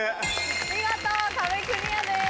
見事壁クリアです。